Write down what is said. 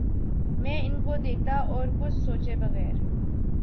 میں ان کو دیکھتا اور کچھ سوچے بغیر